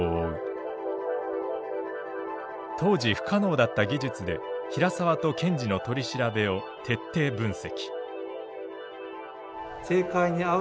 当時不可能だった技術で平沢と検事の取り調べを徹底分析。